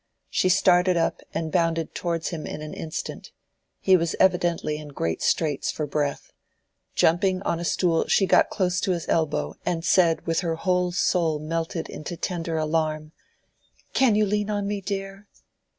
She started up and bounded towards him in an instant: he was evidently in great straits for breath. Jumping on a stool she got close to his elbow and said with her whole soul melted into tender alarm— "Can you lean on me, dear?"